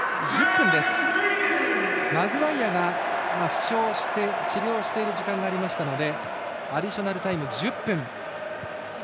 マグワイアが負傷して治療している時間があったのでアディショナルタイム１０分。